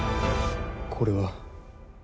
これは。